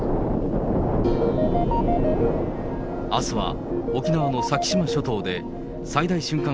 あすは沖縄の先島諸島で最大瞬間